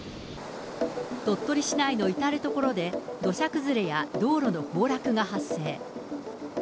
鳥取市内の至る所で、土砂崩れや道路の崩落が発生。